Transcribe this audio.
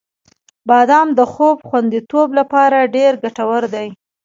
• بادام د خوب خوندیتوب لپاره ډېر ګټور دی.